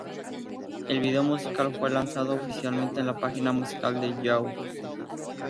El video musical fue lanzado oficialmente en la página musical de "Yahoo!